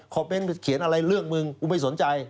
เมนต์เขียนอะไรเรื่องมึงกูไม่สนใจ